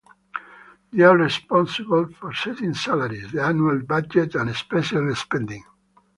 They are responsible for setting salaries, the annual budget, and special spending.